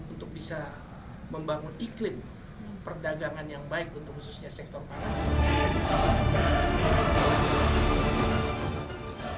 untuk bisa membangun iklim perdagangan yang baik untuk khususnya sektor pangan